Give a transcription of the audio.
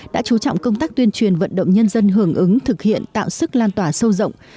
đã chú trọng công tác tuyên truyền vận động nhân dân hưởng ứng thực hiện tạo sức lan tỏa sâu rộng